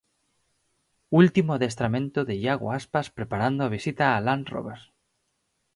Último adestramento de Iago Aspas preparando a visita a Land Rober.